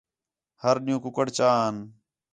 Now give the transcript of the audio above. ہر ݙِین٘ہوں کُکڑ چا آن